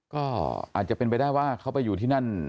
ก็อาจจะเป็นไปได้ว่าเขาไปอยู่ที่นั่น